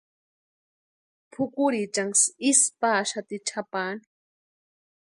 Pʼukurhiichanksï isï paxati chʼapaani.